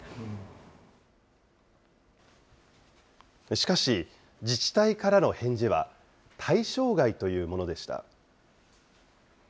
しかし、自治体からの返事は対象外というものでした。